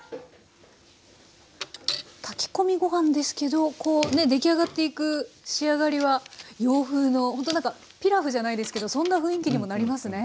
炊き込みご飯ですけどこうね出来上がっていく仕上がりは洋風のほんとなんかピラフじゃないですけどそんな雰囲気にもなりますね。